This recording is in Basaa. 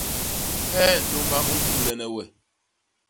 Hee ntômba u ñkumlene we?